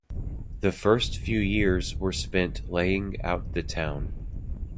The first few years were spent laying out the town.